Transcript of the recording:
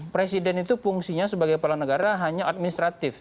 presiden itu fungsinya sebagai kepala negara hanya administratif